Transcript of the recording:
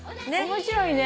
面白いね。